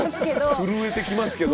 震えてきますけど。